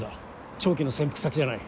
長期の潜伏先じゃない。